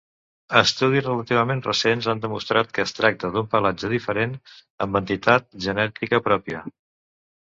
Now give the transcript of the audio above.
Estudis relativament recents han demostrat que es tracta d'un pelatge diferent, amb entitat genètica pròpia.